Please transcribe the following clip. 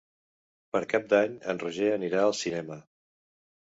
Per Cap d'Any en Roger anirà al cinema.